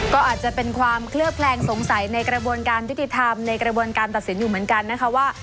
ก็อาจจะเป็นความเคลือบแคลงสงสัยในกระบวนการยุติธรรมในกระบวนการตัดสินอยู่เหมือนกันนะคะว่า